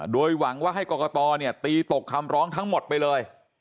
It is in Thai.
โดยหวังว่าให้กรกตตีตกคำร้องทั้งหมดไปเลย